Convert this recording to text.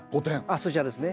そちらですね。